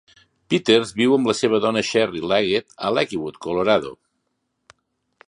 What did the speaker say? Peters viu amb la seva dona, Sherri Leggett, a Lakewood, Colorado.